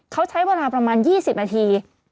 เขาใช้เวลาประมาณ๒๐นาที